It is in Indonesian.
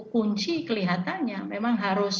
kunci kelihatannya memang